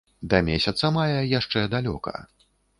Да месяца мая яшчэ далёка.